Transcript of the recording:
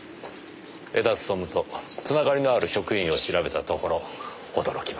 江田勉とつながりのある職員を調べたところ驚きました。